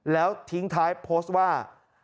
แล้วทิ้งท้ายโพสต์ว่า